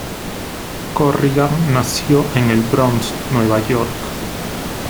Corrigan nació en el Bronx, Nueva York.